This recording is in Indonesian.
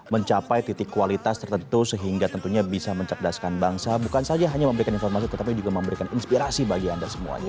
mencapai titik kualitas tertentu sehingga tentunya bisa mencerdaskan bangsa bukan saja hanya memberikan informasi tetapi juga memberikan inspirasi bagi anda semuanya